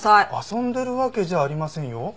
遊んでるわけじゃありませんよ。